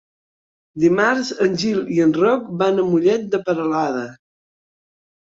Dimarts en Gil i en Roc van a Mollet de Peralada.